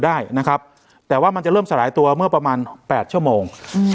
ได้นะครับแต่ว่ามันจะเริ่มสลายตัวเมื่อประมาณแปดชั่วโมง